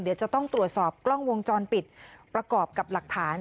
เดี๋ยวจะต้องตรวจสอบกล้องวงจรปิดประกอบกับหลักฐาน